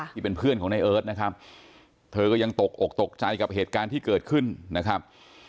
ที่เป็นเพื่อนของในเอิร์ทนะครับเธอก็ยังตกอกตกใจกับเหตุการณ์ที่เกิดขึ้นนะครับ